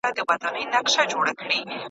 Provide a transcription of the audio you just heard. بزګران بې زحمته نه وي.